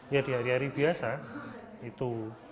ya di hari hari biasa itu